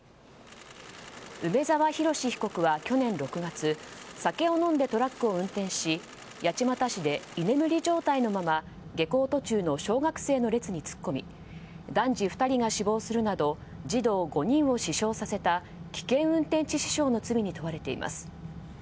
梅沢洋被告は去年６月酒を飲んでトラックを運転し八街市で居眠り状態のまま下校途中の小学生の列に突っ込み男児２人が死亡するなど児童５人を死傷させた危険運転致死傷の罪に問われています。